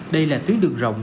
đây là tuyến đường rộng